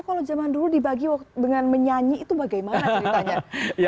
kalau zaman dulu dibagi dengan menyanyi itu bagaimana ceritanya